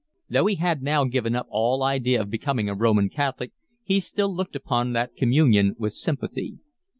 Though he had now given up all idea of becoming a Roman Catholic, he still looked upon that communion with sympathy.